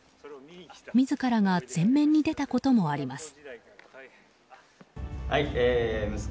自らが前面に出たこともあります。